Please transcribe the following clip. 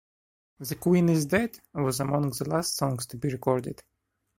"The Queen Is Dead" was among the last songs to be recorded.